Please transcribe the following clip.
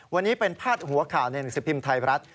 วันนี้เป็นพาดหัวข่าวหนึ่งสิบพิมพ์ไทยรัฐ